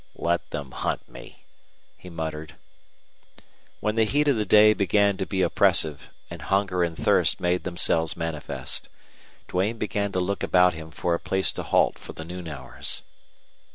"Let them hunt me!" he muttered. When the heat of the day began to be oppressive, and hunger and thirst made themselves manifest, Duane began to look about him for a place to halt for the noon hours.